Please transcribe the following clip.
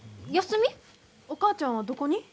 お母ちゃんはどこに？